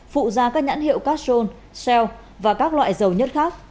phụ da các nhãn hiệu cachon shell và các loại dầu nhớt khác